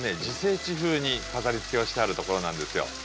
自生地風に飾りつけをしてあるところなんですよ。